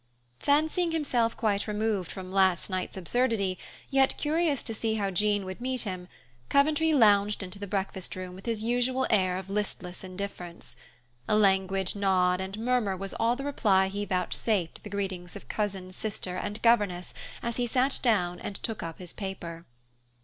Fancying himself quite removed from "last night's absurdity," yet curious to see how Jean would meet him, Coventry lounged into the breakfast room with his usual air of listless indifference. A languid nod and murmur was all the reply he vouchsafed to the greetings of cousin, sister, and governess as he sat down and took up his paper.